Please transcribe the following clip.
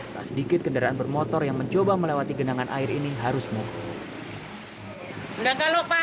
tak sedikit kendaraan bermotor yang mencoba melewati genangan air ini harus mumpung